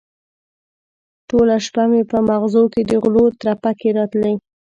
ټوله شپه مې په مغزو کې د غلو ترپکې راتلې.